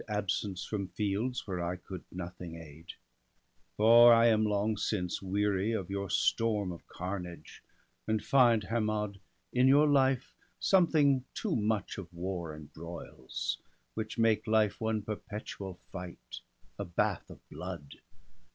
Absence from fields where I could nothing aid ; For I am long since weary of your storm Of carnage, and find, Hermod, in your life Something too much of war and broils, which make Life one perpetual fight, a bath of blood.